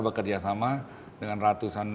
bekerja sama dengan ratusan